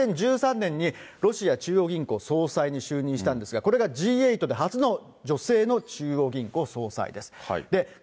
２０１３年にロシア中央銀行総裁に就任したんですが、これがＧ８で初の女性の中央銀行総裁です。